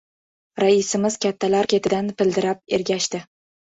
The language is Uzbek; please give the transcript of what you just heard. Raisimiz kattalar ketidan pildirab ergashdi.